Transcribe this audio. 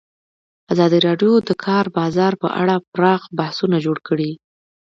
ازادي راډیو د د کار بازار په اړه پراخ بحثونه جوړ کړي.